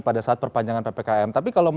pada saat perpanjangan ppkm